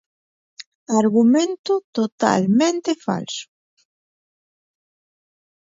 Argumento totalmente falso.